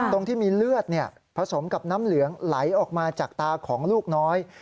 ตรงที่มีเลือดผสมกับน้ำเหลืองไหลออกมาจากตาของลูกน้อย